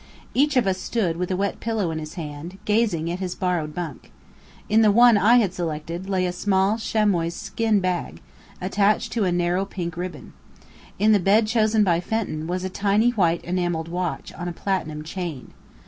Each of us stood with a wet pillow in his hand, gazing at his borrowed bunk. In the one I had selected, lay a small chamois skin bag, attached to a narrow pink ribbon. In the bed chosen by Fenton, was a tiny white enamelled watch, on a platinum chain.